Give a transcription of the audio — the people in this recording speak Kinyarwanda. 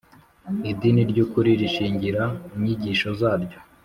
Idini ry ukuri rishingira inyigisho zaryo